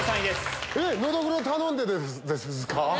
ノドグロ頼んででですか？